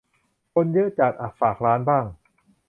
คนเยอะจัด อ่ะ "ฝากร้าน" บ้าง